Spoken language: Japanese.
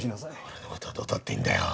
俺の事はどうだっていいんだよ。